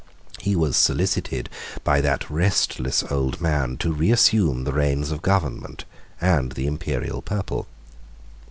He was solicited by that restless old man to reassume the reins of government, and the Imperial purple.